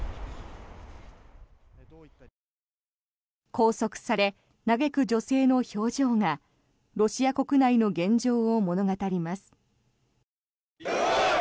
拘束され、嘆く女性の表情がロシア国内の現状を物語ります。